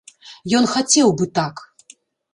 Ён хацеў бы так.